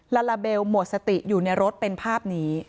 ลาลาเบลหมดสติอยู่ในรถเป็นภาพนี้